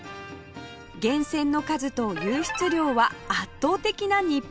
源泉の数と湧出量は圧倒的な日本一